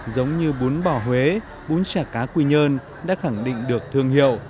giống như bún bò huế bún chả cá quy nhơn đã khẳng định được thương hiệu